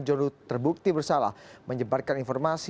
john ruh terbukti bersalah menyebarkan informasi